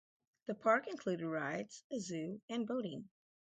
The park included rides, a zoo, and boating.